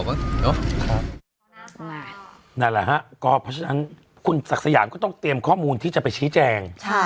นั่นแหละฮะก็เพราะฉะนั้นคุณศักดิ์สยามก็ต้องเตรียมข้อมูลที่จะไปชี้แจง